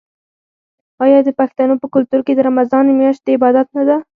آیا د پښتنو په کلتور کې د رمضان میاشت د عبادت نه ده؟